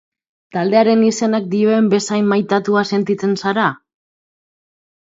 Taldearen izenak dioen bezain maitatua sentitzen zara?